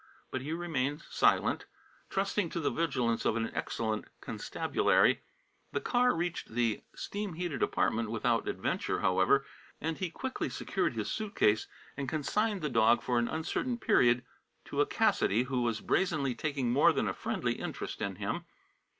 But he remained silent, trusting to the vigilance of an excellent constabulary. The car reached the steam heated apartment without adventure, however, and he quickly secured his suit case and consigned the dog for an uncertain period to a Cassidy, who was brazenly taking more than a friendly interest in him.